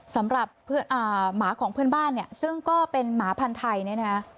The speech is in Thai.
สำหรับหมาของพื้นบ้านเนี่ยซึ่งก็เป็นหมาพันธัยนะครับ